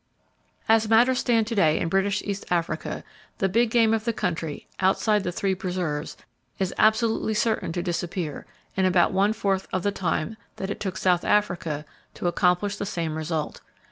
As matters stand to day in British East Africa, the big game of the country, outside the three preserves, is absolutely certain to disappear, in about one fourth of the time that it took South Africa to accomplish the same result.